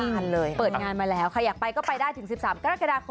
ก็รักกันได้คุณจ้า